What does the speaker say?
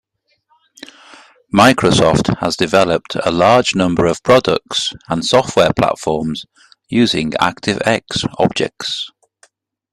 Microsoft has developed a large number of products and software platforms using ActiveX objects.